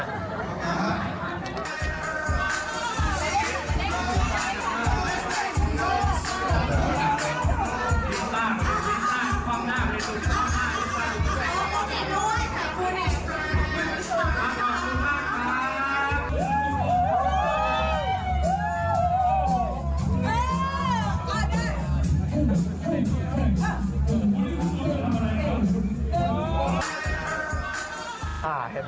ขอบคุณมากครับ